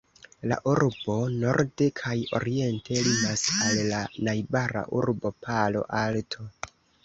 La urbo norde kaj oriente limas al la najbara urbo Palo Alto.